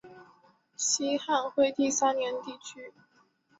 西汉惠帝三年地区。